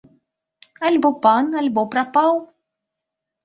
Альбо пан, альбо прапаў.